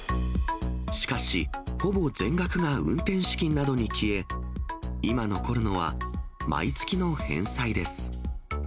しかし、ほぼ全額が運転資金などに消え、今残るのは、毎月の返済です。